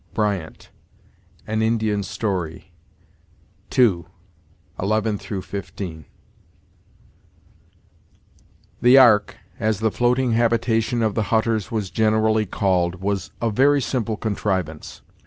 Bryant, "An Indian Story," ii.11 15 The ark, as the floating habitation of the Hutters was generally called, was a very simple contrivance.